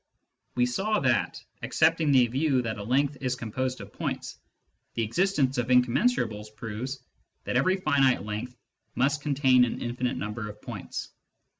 We saw that, accepting the view that a length is com posed of points, the existence of incommensurables proves that every finite length must contain an infinite number of points.